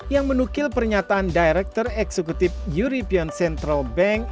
yang menukil pernyataan direktur eksekutif euripion central bank